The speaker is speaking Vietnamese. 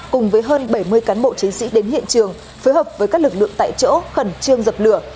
cùng với hơn bảy mươi cán bộ chiến sĩ đến hiện trường phối hợp với các lực lượng tại chỗ khẩn trương dập lửa